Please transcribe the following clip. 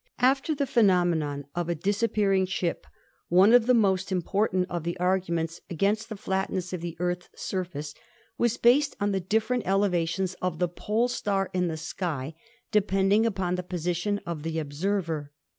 After the phenomenon of a disappearing ship, THE EARTH 149 one of the most important of the arguments against the flatness of the Earth's surface was based on the different elevations of the Pole Star in the sky, depending upon the position of the observer.